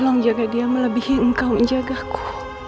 tolong jaga dia melebihi engkau menjagaku